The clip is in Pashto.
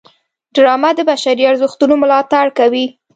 ډرامه د بشري ارزښتونو ملاتړ کوي